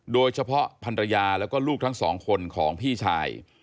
โดยเฉพาะภรรยาและลูกทั้งสองคนของพี่ชาย